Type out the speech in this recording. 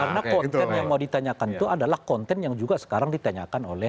karena konten yang mau ditanyakan itu adalah konten yang juga sekarang ditanyakan oleh